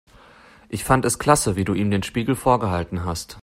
Ich fand es klasse, wie du ihm den Spiegel vorgehalten hast.